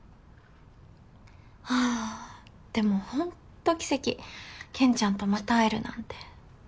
あぁでもほんと奇跡けんちゃんとまた会えるなんて。